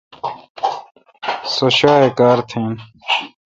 سو شیاے کار تھین۔